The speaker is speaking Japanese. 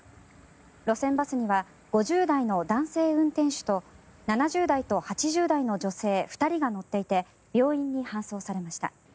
路線バスには５０代の男性運転手と７０代と８０代の女性２人が乗っていて病院に搬送されました。